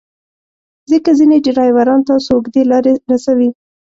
ځکه ځینې ډریوران تاسو اوږدې لارې رسوي.